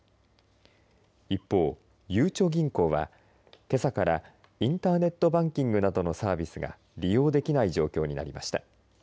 一方、ゆうちょ銀行はけさからインターネットバンキングなどのサービスが利用できない状況になりました。